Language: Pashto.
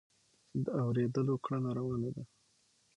د اورېدلو کړنه روانه ده.